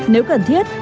nếu cần thiết